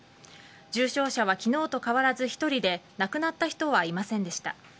重症者は昨日と変わらず１人で亡くなった人はいませんでした。